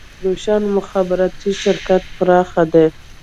روشن مخابراتي شرکت پراخ دی